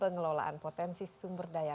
ekspedisi indonesia prima